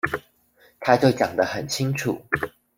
他就講得很清楚